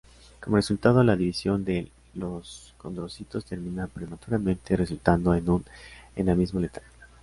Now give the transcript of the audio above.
Como resultado la división de los condrocitos termina prematuramente, resultando en un enanismo letal.